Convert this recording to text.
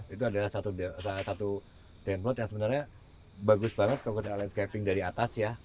itu adalah satu template yang sebenarnya bagus banget kalau kita landscaping dari atas ya